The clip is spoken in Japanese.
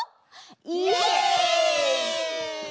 イエイ！